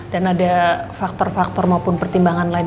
dan ada faktor faktor maupun pertimbangan lain